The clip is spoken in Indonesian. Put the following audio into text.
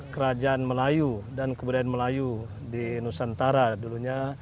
kerajaan melayu dan kebudayaan melayu di nusantara dulunya